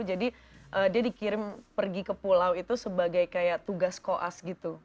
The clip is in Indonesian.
jadi dia dikirim pergi ke pulau itu sebagai kayak tugas koas gitu